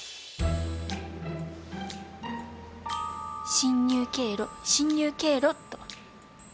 侵入経路侵入経路っと。